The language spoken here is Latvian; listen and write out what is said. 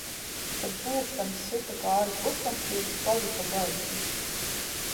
Kad pulkstenis sita pāri pusnaktij, palika baisi